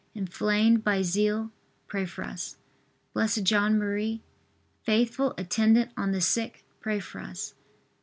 inflamed by zeal, pray for us. B. J. M., faithful attendant on the sick, pray for us.